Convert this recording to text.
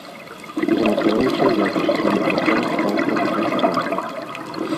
Замацаваўся ў якасці іграка стартавага складу.